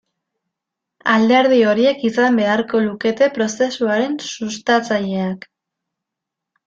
Alderdi horiek izan beharko lukete prozesuaren sustatzaileak.